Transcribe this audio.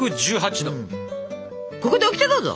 ここでオキテどうぞ。